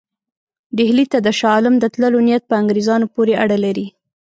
ډهلي ته د شاه عالم د تللو نیت په انګرېزانو پورې اړه لري.